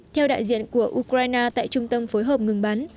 theo đại diện của ukraine tại trung tâm phối hợp ngừng bắn